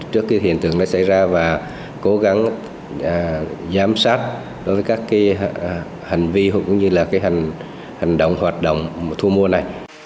trước khi hiện tượng này xảy ra và cố gắng giám sát đối với các hành vi hoặc hành động hoạt động thu mua này